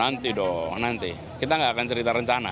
nanti dong nanti kita nggak akan cerita rencana